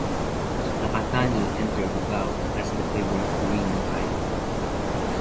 Nakatani entered the bout as the favorite to win the title.